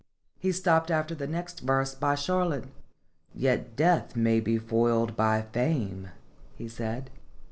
He stopped after the next verse by Char lotte. " Yet Death may be foiled by Fame," he said.